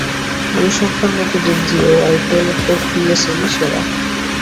পরিসংখ্যানগত দিক দিয়েও আইপিএলের পর পিএসএলই সেরা।